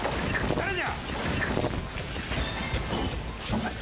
誰じゃ？